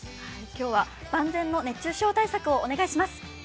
今日は万全の熱中症対策をお願いします。